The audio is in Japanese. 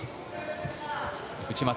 内股。